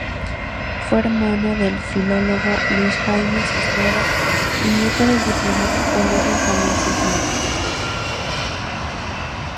Fue hermano del filólogo Luis Jaime Cisneros y nieto del diplomático Luis Benjamín Cisneros.